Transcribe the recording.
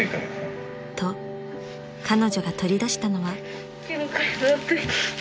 ［と彼女が取り出したのは］